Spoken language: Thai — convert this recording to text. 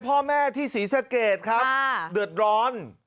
พ่อแม่ที่ศรีสะเกดครับเดือดร้อน